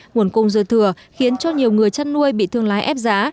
nguồn cung dư thừa khiến cho nhiều người chăn nuôi bị thương lái ép giá